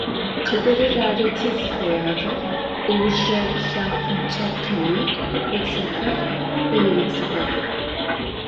Къыдырыр арыти зыфэягъэр, ыужырэ лъакъомкӀэ къеуи, ыцэхэр Ӏуиутыгъэх.